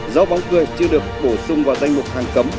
do bóng cười chưa được bổ sung vào danh mục thang cấm